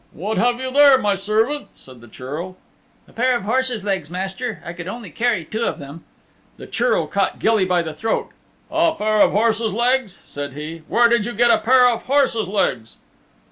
"What have you there, my servant?" said the Churl. "A pair of horse's legs, Master. I could only carry two of them." The Churl caught Gilly by the throat. "A pair of horse's legs," said he. "Where did you get a pair of horse's legs?"